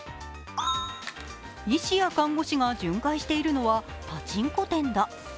医師や看護師が巡回しているのはパチンコ店だ。